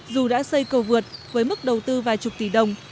dù đã xây cầu vượt với mức đầu tư vài chục tỷ đồng